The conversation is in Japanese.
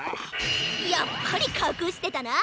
やっぱりかくしてたな！